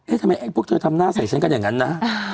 ทำไมไอ้พวกเธอทำหน้าใส่ฉันกันอย่างนั้นนะ